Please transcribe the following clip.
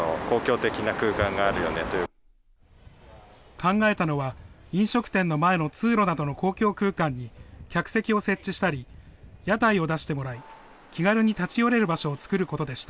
考えたのは、飲食店の前の通路などの公共空間に、客席を設置したり、屋台を出してもらい、気軽に立ち寄れる場所を作ることでした。